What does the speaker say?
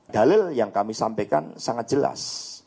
dalil yang kami sampaikan sangat jelas